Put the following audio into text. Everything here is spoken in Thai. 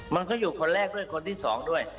มันก็อยู่คนแรกด้วยคนที่สองด้วย